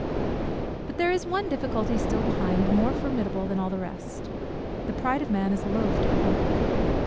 _ But there is one difficulty still behind, more formidable than all the rest. The pride of man is loth to be humbled.